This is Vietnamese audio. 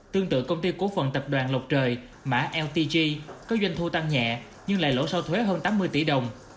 tương tự công ty cổ phần tập đoàn lộc trời có doanh thu tăng nhẹ nhưng lại lỗ sâu thuế hơn tám mươi tỷ đồng